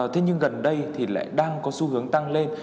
thế nhưng gần đây thì lại đang có xu hướng tăng lên